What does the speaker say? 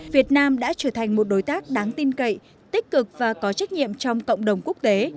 việt nam đã trở thành một đối tác đáng tin cậy tích cực và có trách nhiệm trong cộng đồng quốc tế